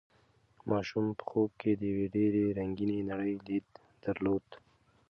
ماشوم په خوب کې د یوې ډېرې رنګینې نړۍ لید درلود.